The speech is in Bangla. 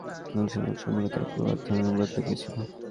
মুসলমানদের সম্পর্কে তার পূর্বধারণা বদলে গিয়েছিল।